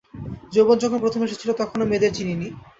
যৌবন যখন প্রথম এসেছিল তখনও মেয়েদের চিনি নি।